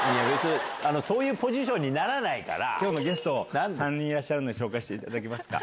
そういうポジションにならなきょうのゲスト、３人いらっしゃるので、紹介していただけますか？